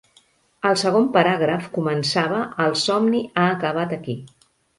El segon paràgraf començava "El somni ha acabat aquí.